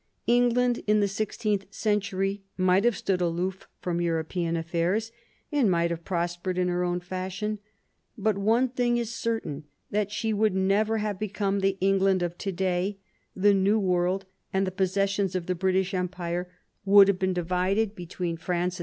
England in the sixteenth century might have stood aloof from European affairs, and might have prospered in her own fashion. But one thing is certain, that she would never have become the England of to day ; the New World, and the possessions of the British Empire, would have been divided between France 12 THOMAS WOLSEY chap.